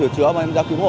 chứa mà em ra cứu mộ